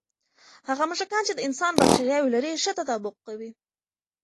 هغه موږکان چې د انسان بکتریاوې لري، ښه تطابق کوي.